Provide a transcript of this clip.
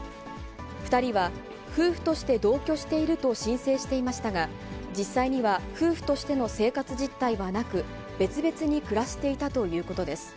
２人は夫婦として同居していると申請していましたが、実際には、夫婦としての生活実態はなく、別々に暮らしていたということです。